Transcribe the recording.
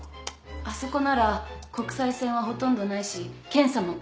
あそこなら国際線はほとんどないし検査も手薄。